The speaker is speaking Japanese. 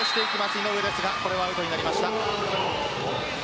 井上ですがこれはアウトになりました。